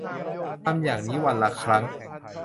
ทำอย่างนี้วันละครั้ง